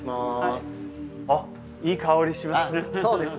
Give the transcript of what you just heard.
あっいい香りしますね。